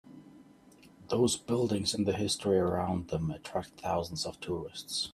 Those buildings and the history around them attract thousands of tourists.